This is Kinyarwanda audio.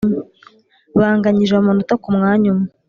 banganyije amanota ku mwanya umwe,